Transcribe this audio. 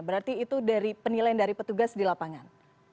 berarti itu dari penilaian dari petugas di lapangan